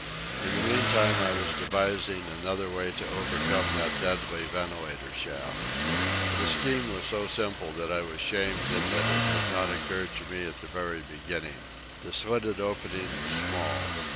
In the meantime I was devising another way to overcome that deadly ventilator shaft. The scheme was so simple that I was shamed in that it had not occurred to me at the very beginning. The slitted opening was small.